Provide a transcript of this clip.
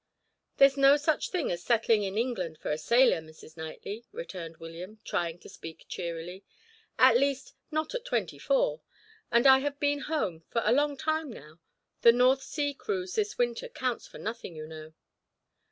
"There's no such thing as settling in England for a sailor, Mrs. Knightley," returned William, trying to speak cheerily; "at least, not at twenty four. And I have been home for a long time now; the North Sea cruise this winter counts for nothing, you know."